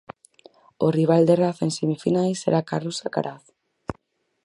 O rival de Rafa en semifinais será Carlos Alcaraz.